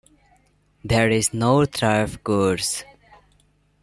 There is no turf course.